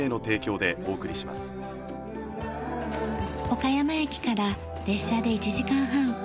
岡山駅から列車で１時間半。